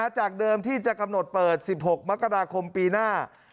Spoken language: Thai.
จากเดิมที่จะกำหนดเปิด๑๖มกราคมปีหน้า